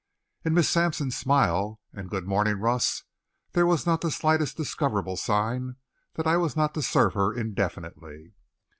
In Miss Sampson's smile and "Good morning, Russ," there was not the slightest discoverable sign that I was not to serve her indefinitely.